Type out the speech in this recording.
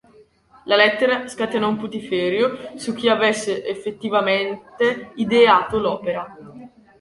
La lettera scatenò un putiferio su chi avesse effettivamente ideato l'opera.